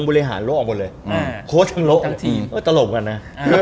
เพราะละเมืองกินตำแหน่ง